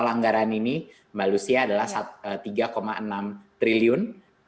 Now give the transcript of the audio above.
lalu peranggaran ini mba lucia adalah tiga enam triliun